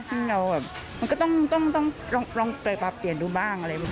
ซึ่งเราแบบมันก็ต้องลองเปิดปรับเปลี่ยนดูบ้างอะไร